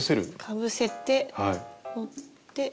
かぶせて持って。